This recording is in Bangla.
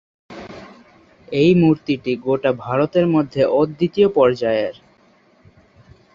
এই মূর্তিটি গোটা ভারতের মধ্যে অদ্বিতীয় পর্যায়ের।